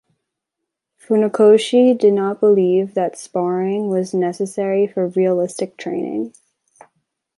Funakoshi did not believe that sparring was necessary for realistic training.